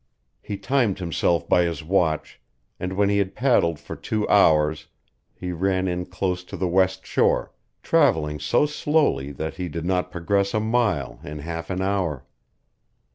He timed himself by his watch, and when he had paddled for two hours he ran in close to the west shore, traveling so slowly that he did not progress a mile in half an hour.